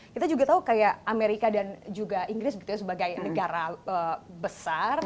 kita juga tahu seperti amerika dan juga inggris sebagai negara besar